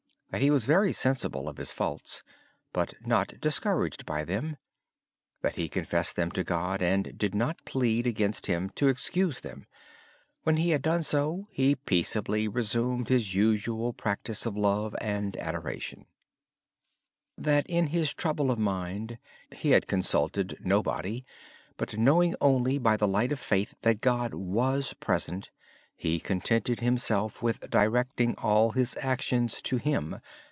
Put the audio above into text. He said he was very sensible of his faults but not discouraged by them. He confessed them to God and made no excuses. Then, he peaceably resumed his usual practice of love and adoration. In his trouble of mind, Brother Lawrence had consulted no one. Knowing only by the light of faith that God was present, he contented himself with directing all his actions to Him.